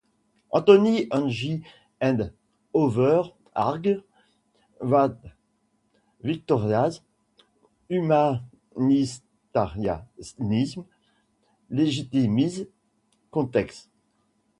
Antony Anghie and others argue that Vitoria's humanitarianism legitimized conquest.